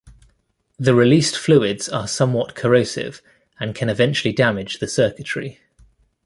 The released fluids are somewhat corrosive and can eventually damage the circuitry.